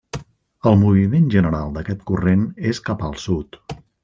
El moviment general d'aquest corrent és cap al sud.